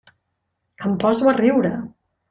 Em poso a riure.